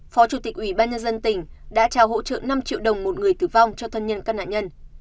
phó chủ tịch ủy ban nhân dân tỉnh đã trao hỗ trợ năm triệu đồng một người tử vong cho thân nhân các nạn nhân